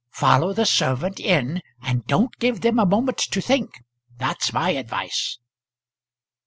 Follow the servant in and don't give them a moment to think. That's my advice."